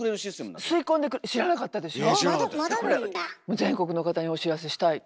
全国の方にお知らせしたい。